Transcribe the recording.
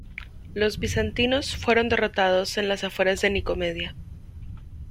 Los bizantinos fueron derrotados en las afueras de Nicomedia.